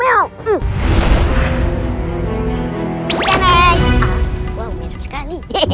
wow menurut sekali